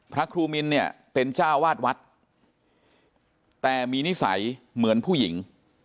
พระครูมินเนี่ยเป็นเจ้าวาดวัดแต่มีนิสัยเหมือนผู้หญิง